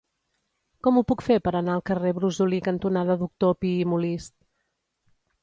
Com ho puc fer per anar al carrer Brosolí cantonada Doctor Pi i Molist?